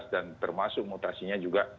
dan termasuk mutasinya juga